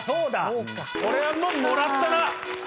これはもうもらったな！